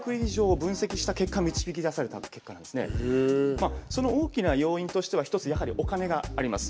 まあその大きな要因としては一つやはりお金があります。